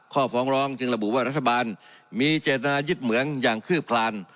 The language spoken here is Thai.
ฟ้องร้องจึงระบุว่ารัฐบาลมีเจตนายึดเหมืองอย่างคืบคลาน